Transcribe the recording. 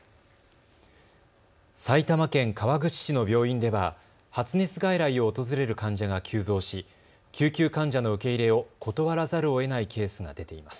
埼玉県川口市の病院では発熱外来を訪れる患者が急増し救急患者の受け入れを断らざるをえないケースが出ています。